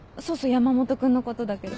山本君のことだけど。